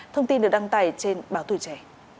thông tin được đăng tải trên báo tuổi trẻ